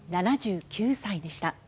７９歳でした。